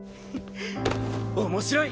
面白い！